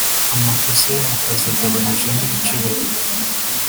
amakosa yo mu kazi agabanyijemo ibice bibiri